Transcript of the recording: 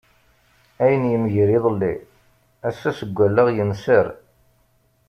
Ayen yemger iḍelli, ass-a seg wallaɣ yenser.